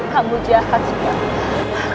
kamu jahat sumiyah